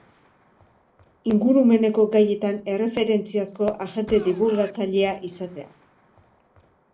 Ingurumeneko gaietan erreferentziazko agente dibulgatzailea izatea.